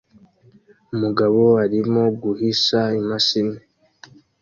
Umugabo arimo guhisha imashini